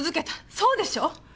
そうでしょ？